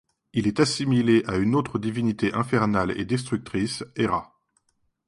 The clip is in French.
Il est assimilé à une autre divinité infernale et destructrice, Erra.